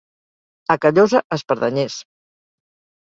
A Callosa, espardenyers.